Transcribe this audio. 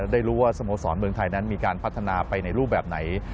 ได้รู้ว่าสโมสรเมืองไทยนั้นมีการพัฒนาไปในรูปแบบไหน